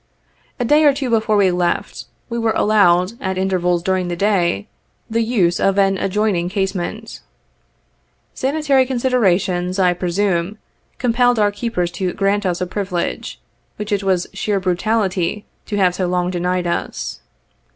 — A day or two before we left, we were allowed, at intervals during the day, the use of an adjoining casemate. Sanitary considerations, I presume, compelled our keepers to grant us a privilege, which it was sheer brutality to have so long de nied us.